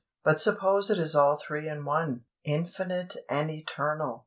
But suppose it is all three in one, infinite and eternal!